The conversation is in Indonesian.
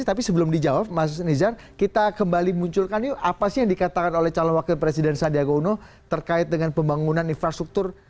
tapi sebelum dijawab mas nizar kita kembali munculkan yuk apa sih yang dikatakan oleh calon wakil presiden sandiaga uno terkait dengan pembangunan infrastruktur